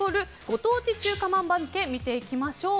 ご当地中華まん番付見ていきましょう。